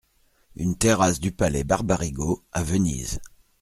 Une terrasse du palais barbarigo, à Venise.